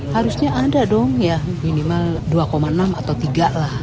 harusnya ada dong ya minimal dua enam atau tiga lah